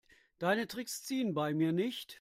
Deine Tricks ziehen bei mir nicht.